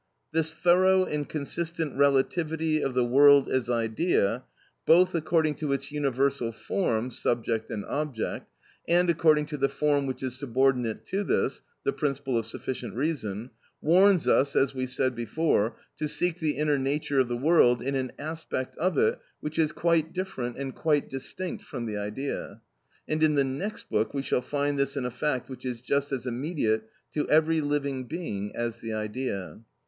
This thorough and consistent relativity of the world as idea, both according to its universal form (subject and object), and according to the form which is subordinate to this (the principle of sufficient reason) warns us, as we said before, to seek the inner nature of the world in an aspect of it which is quite different and quite distinct from the idea; and in the next book we shall find this in a fact which is just as immediate to every living being as the idea.